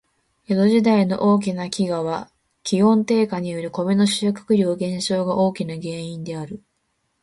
江戸時代の大きな飢饉は、気温低下によるコメの収穫量減少が大きな原因である。